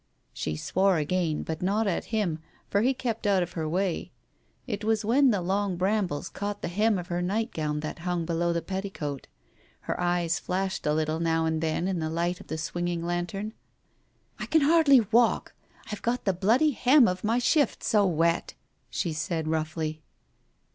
She swore again, but not at him, for he kept out of her way. It was when the long brambles caught the hem of her nightgown that hung below the petticoat. Her eyes flashed a little now and then in the light of the swinging lantern. ... "I can hardly walk, I've got the bloody hem of my shift so wet," she said, roughly.